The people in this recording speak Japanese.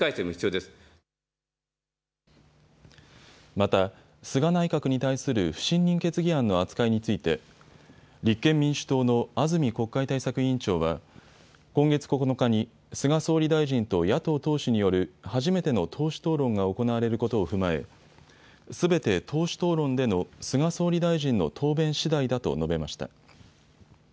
また菅内閣に対する不信任決議案の扱いについて立憲民主党の安住国会対策委員長は今月９日に菅総理大臣と野党党首による初めての党首討論が行われることを踏まえすべて党首討論での菅総理大臣の答弁しだいだと述べました。